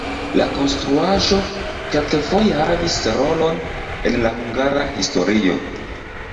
La konstruaĵo kelkfoje havis rolon en la hungara historio.